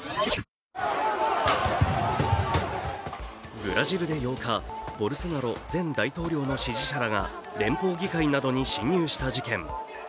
ブラジルで８日、ボルソナロ前大統領の支持者が連邦議会などに侵入した事件。